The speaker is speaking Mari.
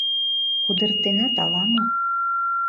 Кудыртенат ала-мо.